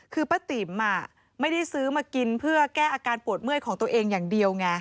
คือป้าติ๋มไม่ได้ซื้อมากินเพื่อแก้อาการปวดเมื่อยของตัวเองอย่างเดียวไง